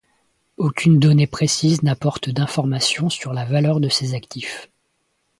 Aucune donnée précise n’apporte d’information sur la valeur de ses actifs.